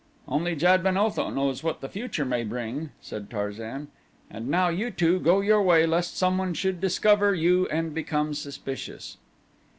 "Only Jad ben Otho knows what the future may bring," said Tarzan. "And now you two go your way lest someone should discover you and become suspicious."